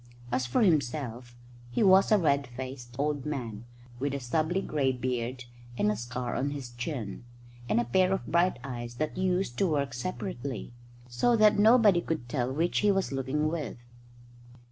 As for himself, he was a red faced old man, with a stubbly grey beard and a scar on his chin, and a pair of bright eyes that used to work separately, so that nobody could tell which he was looking with.